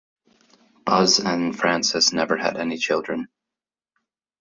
Buzz and Frances never had any children.